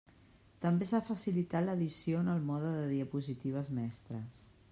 També s'ha facilitat l'edició en el mode de diapositives mestres.